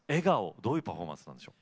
どういうパフォーマンスなんでしょう？